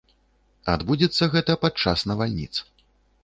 Адбудзецца гэта падчас навальніц.